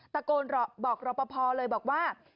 ตะโกนบอกรอปภเลยบอกว่า